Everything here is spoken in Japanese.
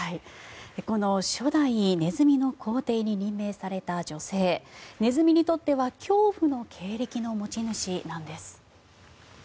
この初代ネズミの皇帝に任命された女性ネズミにとっては恐怖の経歴の持ち主なんです。